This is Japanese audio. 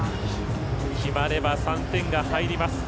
決まれば３点が入ります。